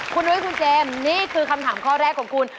คุณนุ้ยคุณเจมส์นี่คือคำถามข้อแรกของคุณ